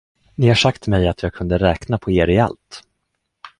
Ni har sagt mig, att jag kunde räkna på er i allt.